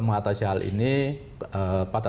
mengatasi hal ini pada